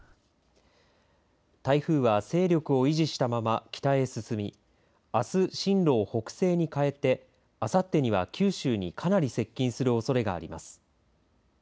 台風は勢力を維持したまま北へ進みあす、進路を北西に変えてあさってには九州にかなり接近するおそれがあります。